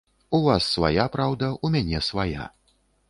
У вас свая праўда, у мяне свая.